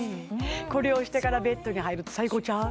これをしてからベッドに入るって最高ちゃう？